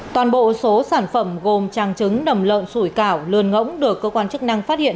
toàn bộ số sản phẩm gồm trang trứng nầm lợn sủi cảo lươn ngỗng được cơ quan chức năng phát hiện